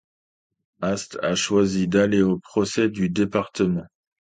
Haste a choisi d'aller au procès du département.